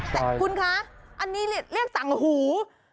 แต่คุณคะอันนี้เรียกสังหู